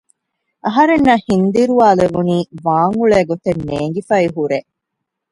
އަހަރެންނަށް ހިންދިރުވާލެވުނީ ވާންއުޅޭ ގޮތެއް ނޭނގިފައި ހުރޭ